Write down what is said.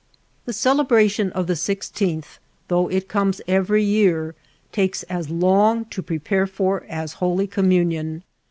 The celebration of the Sixteenth, though it comes every year, takes as long to pre pare for as Holy Communion.